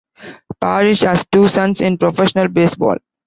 Parrish has two sons in professional baseball.